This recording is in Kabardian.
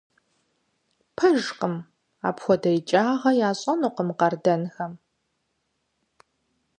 Пэжкъым! Апхуэдэ икӀагъэ ящӀэнукъым къардэнхэм!